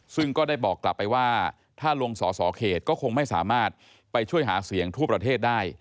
ซึ่งก็ได้บอกกลับไปว่าถ้าลงสอสอเขตก็คงไม่สามารถไปช่วยหาเสียงทั่วประเทศได้